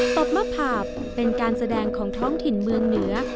บมะพาบเป็นการแสดงของท้องถิ่นเมืองเหนือ